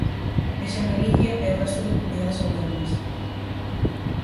Vexan Galicia e o resto de comunidades autónomas.